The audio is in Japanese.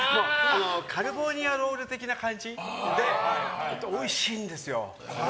カリフォルニアロール的な感じでおいしいんですよ。